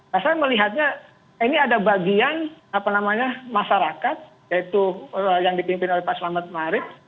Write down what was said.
nah saya melihatnya ini ada bagian apa namanya masyarakat yaitu yang dipimpin oleh pak selamat marif ⁇